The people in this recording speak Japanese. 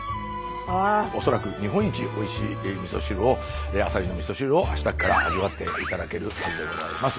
恐らく日本一おいしいみそ汁をアサリのみそ汁をあしたから味わって頂けるはずでございます。